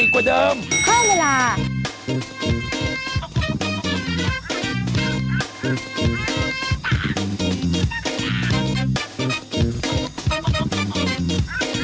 ก็ได้แล้วก็ได้